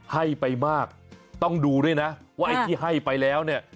ให้ไปมากต้องดูด้วยนะว่าไอ้ที่ให้ไปแล้วเนี่ย